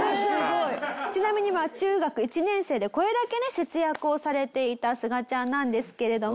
ちなみに中学１年生でこれだけね節約をされていたすがちゃんなんですけれども。